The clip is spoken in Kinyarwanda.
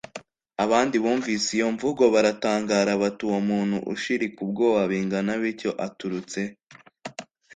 " Abandi bumvise iyo mvugo baratangara bati "Uwo muntu ushirika ubwoba bingana bityo aturutse he